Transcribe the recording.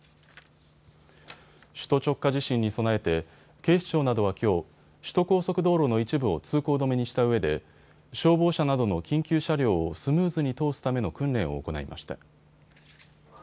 首都直下地震に備えて警視庁などはきょう、首都高速道路の一部を通行止めにしたうえで消防車などの緊急車両をスムーズに通すための訓練を行いました。